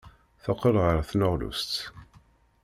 Teqqel ɣer tneɣlust.